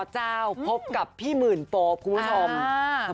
เจ้าพบกับพี่หมื่นโป๊ปคุณผู้ชม